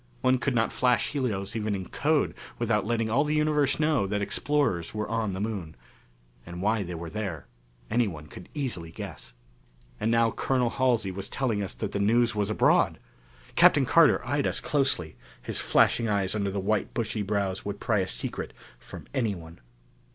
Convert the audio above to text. One could not flash helios even in code without letting all the universe know that explorers were on the Moon. And why they were there, anyone could easily guess. And now Colonel Halsey was telling us that the news was abroad! Captain Carter eyed us closely; his flashing eyes under the white bushy brows would pry a secret from anyone.